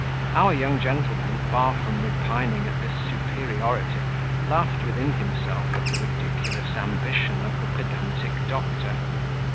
Our young gentleman, far from repining at this superiority laughed within himself at the ridiculous ambition of the pedantic doctor.